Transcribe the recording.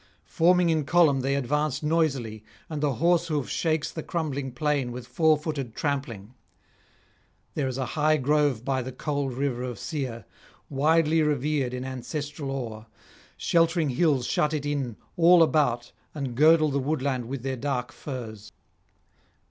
Forming in column, they advance noisily, and the horse hoof shakes the crumbling plain with four footed trampling. There is a high grove by the cold river of Caere, widely revered in ancestral awe; sheltering hills shut it in all about and girdle the woodland with their dark firs.